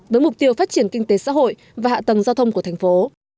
với mục tiêu phát triển kinh tế xã hội và hạ tầng giao thông của thành phố